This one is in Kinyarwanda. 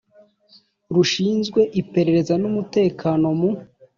Rushinzwe Iperereza n Umutekano mu